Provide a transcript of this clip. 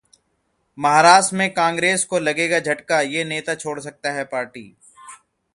महाराष्ट्र में कांग्रेस को लगेगा झटका? ये नेता छोड़ सकता है पार्टी